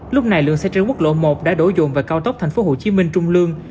lúc này lượng xe trên quốc lộ một đã đổ dồn vào cao tốc tp hcm trung lương